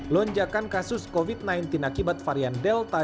lonjakan kasus covid sembilan belas akibat varian delta